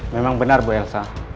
memang benar bu elsa